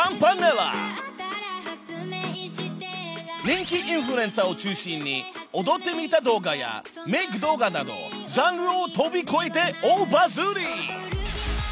［人気インフルエンサーを中心に踊ってみた動画やメーク動画などジャンルを飛び越えて大バズり］